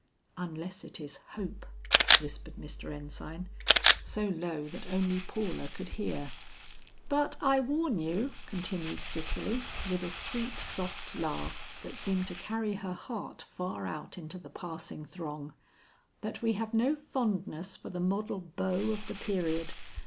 "Unless it is hope," whispered Mr. Ensign so low that only Paula could hear. "But I warn you," continued Cicely, with a sweet soft laugh that seemed to carry her heart far out into the passing throng, "that we have no fondness for the model beau of the period.